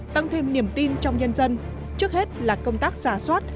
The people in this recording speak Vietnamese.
tăng thêm niềm tin trong nhân dân trước hết là công tác giả soát